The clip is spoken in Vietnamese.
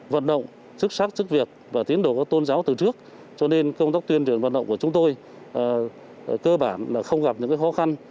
vận động chức sắc chức việc và tiến đổ các tôn giáo từ trước cho nên công tác tuyên truyền vận động của chúng tôi cơ bản là không gặp những khó khăn